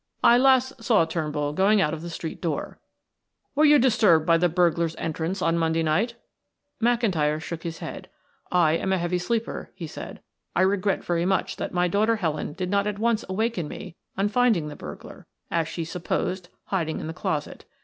"I last saw Turnbull going out of the street door." "Were you disturbed by the burglar's entrance on Monday night?" McIntyre shook his head. "I am a heavy sleeper," he said. "I regret very much that my daughter Helen did not at once awaken me on finding the burglar, as she supposed, hiding in the closet.